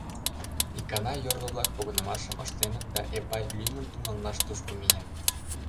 Икана йорло-влак погынымашым ыштеныт да, Эпай лӱмын туманлаш тушко миен.